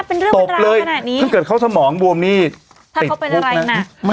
เป็นเรื่องเป็นราวขนาดนี้เพิ่งเกิดเข้าสมองบวมนี่ถ้าเขาเป็นอะไรน่ะ